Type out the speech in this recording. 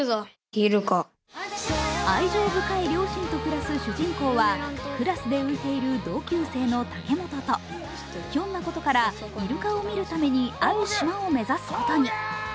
愛情深い両親と暮らす主人公は、クラスで浮いている同級生の竹本と、ひょんなことからイルカを見るためにある島を目指すことに。